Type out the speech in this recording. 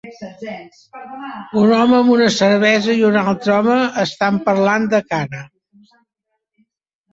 Un home amb una cervesa i un altre home estan parlant de cara.